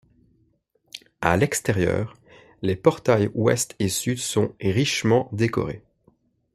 À l'extérieur, les portails ouest et sud sont richement décorés.